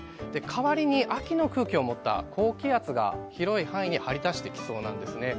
代わりに秋の空気を持った高気圧が広い範囲に張り出してきそうなんですね。